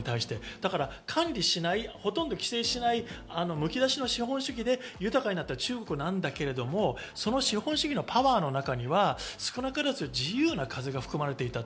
だから管理しない、ほとんど規制しない、むき出しの資本主義で、豊かになった中国なんだけれど、資本主義のパワーの中には少なからず自由な風が吹き込まれていた。